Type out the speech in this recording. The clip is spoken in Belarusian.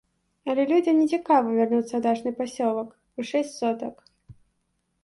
Але людзям не цікава вярнуцца ў дачны пасёлак, у шэсць сотак.